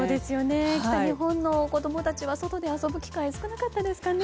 北日本の子供たちは外で遊ぶ機会が少なかったですからね。